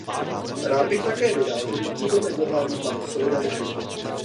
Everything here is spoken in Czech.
Rád bych také dodal, že potřebujeme globální pakt solidarity.